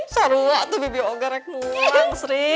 seru banget tuh bibi oge rek muang sri